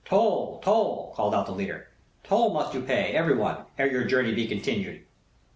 "Toll, toll!" called out the leader. "Toll must you pay, everyone, ere your journey be continued!"